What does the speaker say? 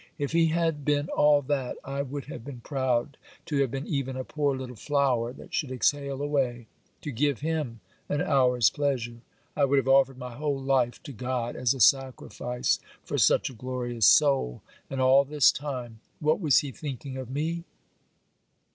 If he had been all that, I would have been proud to have been even a poor little flower that should exhale away, to give him an hour's pleasure; I would have offered my whole life to God as a sacrifice for such a glorious soul; and all this time, what was he thinking of me?